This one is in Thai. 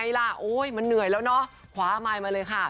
ฝลเวิร์ดชุดเยอะเฮ้ค่ะ